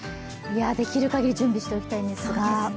できる限り準備しておきたいんですが。